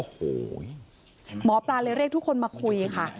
โอ้โหหมอปลาเลยเรียกทุกคนมาคุยค่ะ